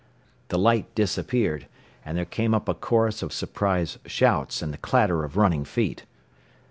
The light disappeared and there came up a chorus of surprised shouts and the clatter of running feet.